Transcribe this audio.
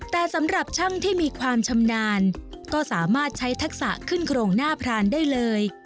แต่สำหรับช่างที่มีความชำนาญก็สามารถใช้ทักษะขึ้นโครงหน้าพรานได้เลย